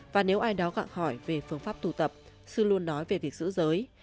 và nếu ai đó gặng hỏi về phương pháp tu tập sư luôn nói về việc giữ giới